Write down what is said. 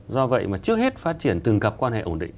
do vậy mà trước hết phát triển từng cặp quan hệ ổn định